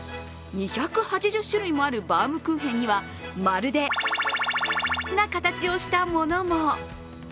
２８０種類もあるバウムクーヘンには、まるで○○な形をしたものも。